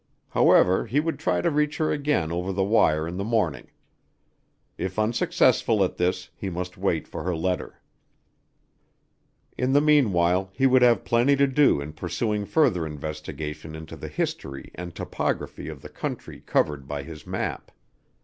However, he would try to reach her again over the wire in the morning. If unsuccessful at this, he must wait for her letter. In the meanwhile he would have plenty to do in pursuing further investigation into the history and topography of the country covered by his map.